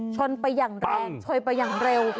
ชนไปอย่างแรงชนไปอย่างเร็ว